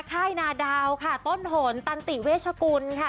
ค่ายนาดาวค่ะต้นหนตันติเวชกุลค่ะ